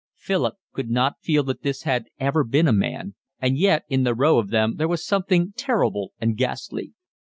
Philip could not feel that this had ever been a man, and yet in the row of them there was something terrible and ghastly.